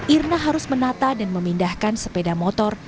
irna harus menata dan memindahkan sepeda motor